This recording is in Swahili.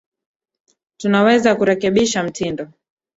Tunaweza kurekebisha mtindo.